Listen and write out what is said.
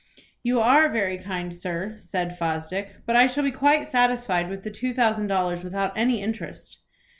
"You are very kind, sir," said Fosdick; "but I shall be quite satisfied with the two thousand dollars without any interest."